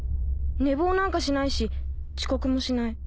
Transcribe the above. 寝坊なんかしないし遅刻もしない